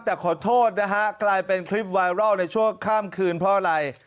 แต่ขอโทษนะฮะกลายเป็นคลิปไวรัลในชั่วข้ามคืนเพราะอะไร